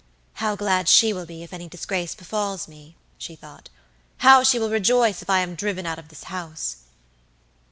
"How glad she will be if any disgrace befalls me," she thought; "how she will rejoice if I am driven out of this house!"